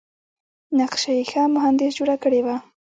نقشه یې ښه مهندس جوړه کړې وه.